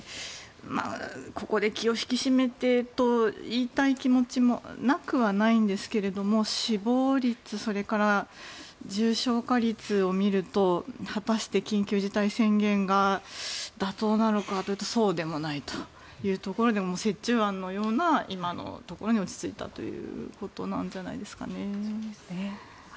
ここで気を引き締めてと言いたい気持ちもなくはないんですけれども死亡率それから重症化率を見ると果たして緊急事態宣言が妥当なのかというとそうでもないというところで折衷案のような今のところに落ち着いたということなんじゃないですかね。